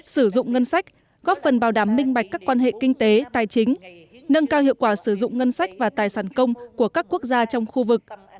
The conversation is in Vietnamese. sử dụng ngân sách góp phần bảo đảm minh bạch các quan hệ kinh tế tài chính nâng cao hiệu quả sử dụng ngân sách và tài sản công của các quốc gia trong khu vực